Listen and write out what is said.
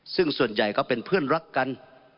ซึ่งส่วนใหญ่ก็เป็นเพื่อนรักกัน